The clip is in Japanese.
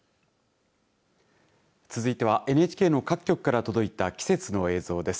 続いてはＮＨＫの各放送局から届いた季節の映像です。